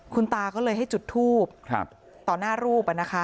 คุณตาก็เลยให้จุดทูบต่อหน้ารูป